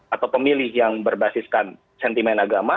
atau pemilih yang berbasiskan sentimen agama